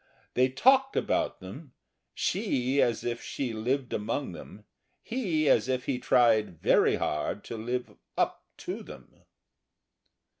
They talked about them she, as if she lived among them; he, as if he tried very hard to live up to them.